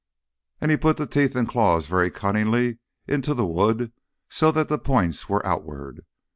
And he put the teeth and claws very cunningly into the wood so that the points were outward.